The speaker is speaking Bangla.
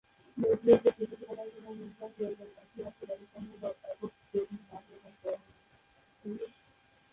নিউক্লিয়াসের স্থিতিশীলতার জন্য নিউট্রন প্রয়োজন, এর একটিমাত্র ব্যতিক্রম হল একক প্রোটন হাইড্রোজেন পরমাণু।